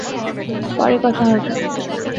পরে কথা হবে।